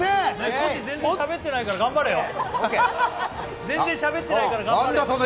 コジ、全然しゃべってないから頑張れよ！